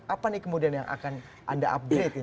apa nih kemudian yang akan anda upgrade